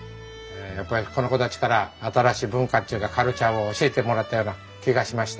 やっぱりこの子たちから新しい文化っちゅうかカルチャーを教えてもらったような気がしました。